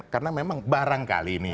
karena memang barangkali ini